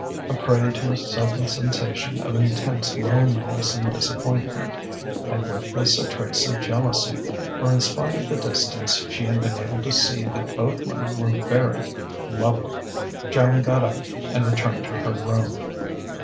A prey to a sudden sensation of intense loneliness and disappointment and with this a trace of jealousy; for in spite of the distance she had been able to see that both women were very lovely Joan got up and returned to her room....